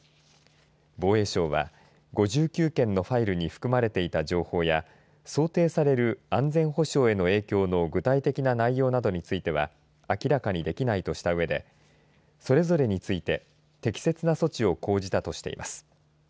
防衛省は５９件のファイルに含まれていた情報や想定される安全保障への影響の具体的な内容などについては明らかにできないとしたうえでそれぞれについて適切な措置を講じたとしています。